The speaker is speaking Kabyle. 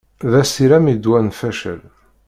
D asirem i ddwa n facal.